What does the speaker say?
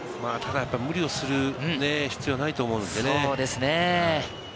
無理をする必要はないと思うんですよね。